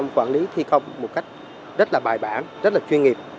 quản lý thi công một cách rất là bài bản rất là chuyên nghiệp